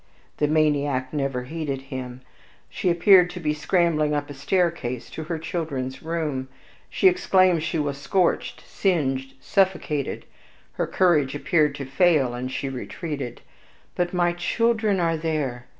The maniac never heeded him; she appeared to be scrambling up a staircase to her children's room. She exclaimed she was scorched, singed, suffocated; her courage appeared to fail, and she retreated. "But my children are there!"